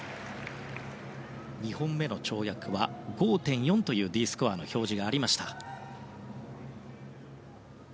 ２本目の跳躍は５．４というＤスコアの表示。